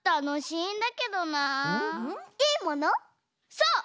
そう！